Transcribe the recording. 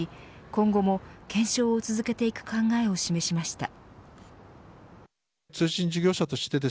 今後も検証を続けていく考えを示しました。